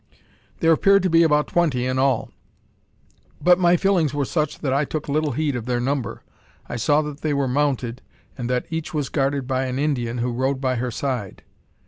There appeared to be about twenty in all; but my feelings were such that I took little heed of their number. I saw that they were mounted, and that each was guarded by an Indian, who rode by her side.